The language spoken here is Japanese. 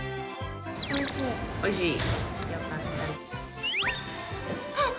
おいしい。